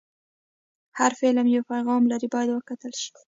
هر فلم یو پیغام لري، باید وکتل شي.